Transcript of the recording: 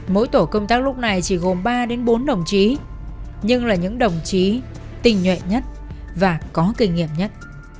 mỗi tổ công tác lúc này chỉ gồm ba bốn đồng chí nhưng là những đồng chí tình nhuệ nhất và có kinh nghiệm nhất